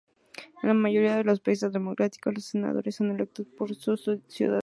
En la mayoría de los países democráticos, los senadores son electos por sus ciudadanos.